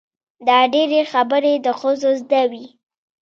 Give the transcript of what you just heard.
دا ډېرې خبرې د ښځو زده وي.